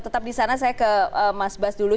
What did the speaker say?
tetap di sana saya ke mas bas dulu